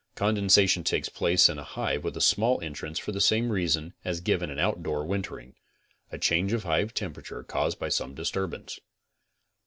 Condensation takes place in a hive with a small entrance for the same reason as given in outdoor winter ing; a change of hive temperature caused by some disturbance.